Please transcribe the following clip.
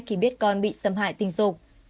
khi biết con bị xâm hại tình dục